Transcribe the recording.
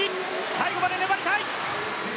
最後まで粘りたい。